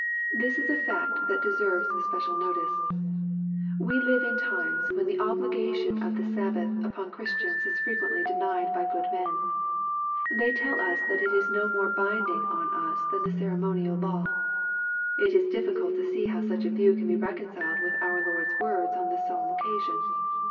''*""^ This is a fact that deserves special notice.f We live in times when the obligation of the Sabbath upon Christians is frequently denied by good men. / f^hej tell us that it is no more binding on us than the ceremonial law. It is difficult to see how such a view can be reconciled with our Lord's words on this solemn occasion.)